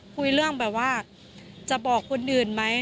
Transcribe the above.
คุยเรื่องแบบว่าจะบอกคนอื่นไหม